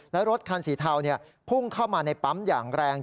และรถคันสีเทาพุ่งเข้ามาในปั๊มอย่างแรง